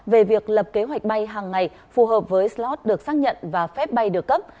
về việc lập kế hoạch bay hàng ngày phù hợp với slot được xác nhận và phép bay được cấp